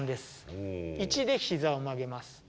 １でひざを曲げます。